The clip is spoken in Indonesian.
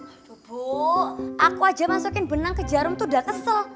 aduh bu aku aja masukin benang ke jarum tuh udah kesel